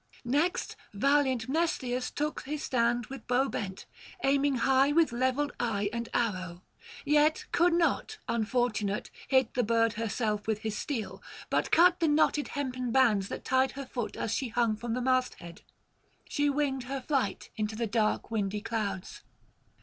Next valiant Mnestheus took his stand with bow bent, aiming high with levelled eye and arrow; yet could not, unfortunate! hit the bird herself with his steel, but cut the knotted hempen bands that tied her foot as she hung from the masthead; she winged her flight into the dark windy clouds.